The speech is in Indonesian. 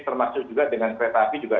termasuk juga dengan kereta api juga